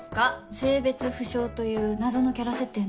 性別不詳という謎のキャラ設定の。